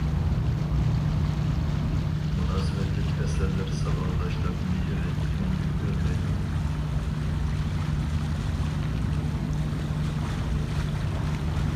مۇناسىۋەتلىك ئەسەرلەر ساۋاقداشلىق مېھرى مەڭگۈ ئۆلمەيدۇ!